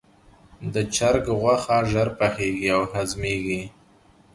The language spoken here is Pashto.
د چرګ غوښه ژر پخیږي او هضمېږي.